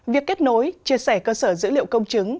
việc kết nối chia sẻ cơ sở dữ liệu công chứng